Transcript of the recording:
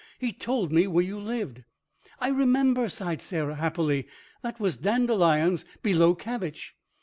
He told me where you lived." "I remember," sighed Sarah, happily. "That was dandelions below cabbage."